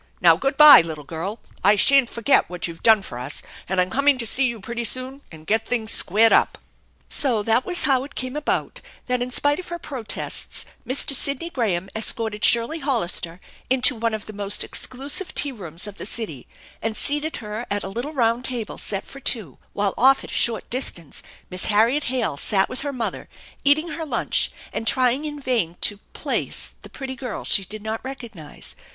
Now, good by, little girl. I sha'n't forget what you've done for us, and I'm coming to see you pretty soon and get things squared up." So that was how it came about that in spite of her pro tests Mr. Sidney Graham escorted Shirley Hollister into one of the most exclusive tea rooms of the city, and seated her at a little round table set for two, while off at a short distance Miss Harriet Hale sat with her mother, eating her lunch and 196 THE ENCHANTED BARN trying in vain to " place " the pretty girl she did not recognize.